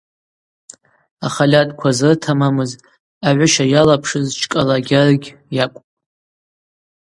Ахальатӏква зрытамамыз, агӏвыща йалапшыз Чкӏала Гьаргь йакӏвпӏ.